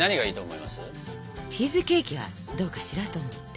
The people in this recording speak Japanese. チーズケーキはどうかしらと思って。